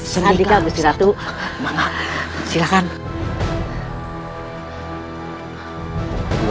selamat tinggal gusti ratu